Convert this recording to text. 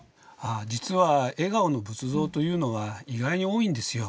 実は笑顔の仏像というのは意外に多いんですよ。